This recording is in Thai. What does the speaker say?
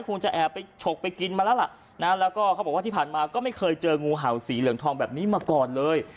คงจะแอบไปฉกไปกินมาแล้วล่ะนะแล้วก็เขาบอกว่าที่ผ่านมาก็ไม่เคยเจองูเห่าสีเหลืองทองแบบนี้มาก่อนเลย